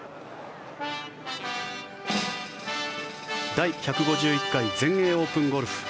第１５１回全英オープンゴルフ。